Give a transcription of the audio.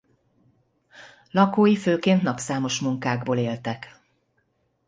Lakói főként napszámos munkákból éltek.